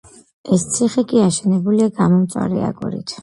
ეს ციხე კი აშენებულია გამომწვარი აგურით.